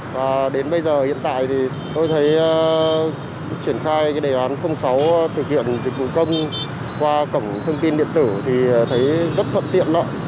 và đến bây giờ hiện tại thì tôi thấy triển khai cái đề án sáu thực hiện dịch vụ công qua cổng thông tin điện tử thì thấy rất thuận tiện lợi